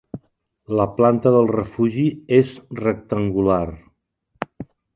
La planta del refugi és rectangular.